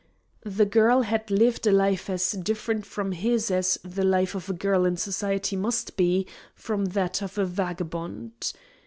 The girl had lived a life as different from his as the life of a girl in society must be from that of a vagabond.